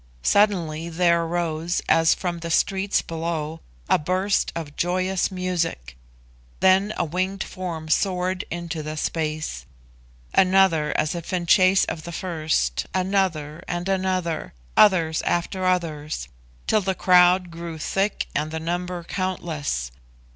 Suddenly there arose, as from the streets below, a burst of joyous music; then a winged form soared into the space; another as if in chase of the first, another and another; others after others, till the crowd grew thick and the number countless.